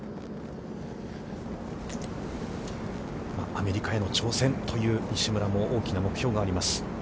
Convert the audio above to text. アメリカへの挑戦という西村も大きな目標があります。